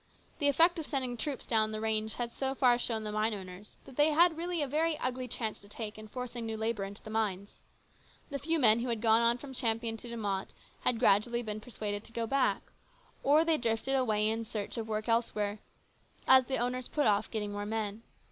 The effect of sending troops down the range had so far shown the mine owners that they had really a very ugly chance to take in forcing new labour into the mines. The few men who had gone on from Champion to De Mott had gradually been persuaded to go back, or they drifted away in search of work elsewhere, as the owners put off getting more men.